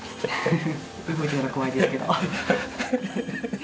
動いてたら怖いですけど。